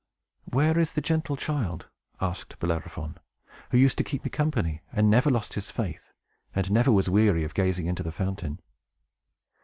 "Where is the gentle child," asked Bellerophon, "who used to keep me company, and never lost his faith, and never was weary of gazing into the fountain?"